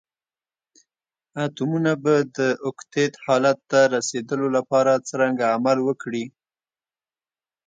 اتومونه به د اوکتیت حالت ته رسیدول لپاره څرنګه عمل وکړي؟